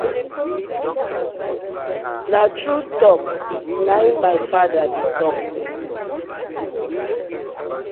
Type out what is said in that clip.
Na true talk na im my father de talk so.